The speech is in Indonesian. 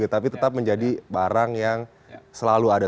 tapi tetap menjadi barang yang selalu ada